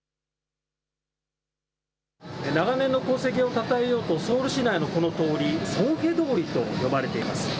長年の功績をたたえようと、ソウル市内のこの通り、ソン・ヘ通りと呼ばれています。